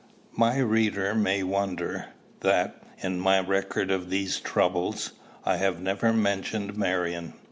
My reader may wonder, that, in my record of these troubles, I have never mentioned Marion.